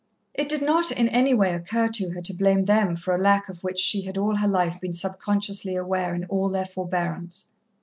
It did not in any way occur to her to blame them for a lack of which she had all her life been subconsciously aware in all their forbearance.